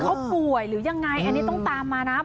เขาป่วยหรือยังไงอันนี้ต้องตามมานะ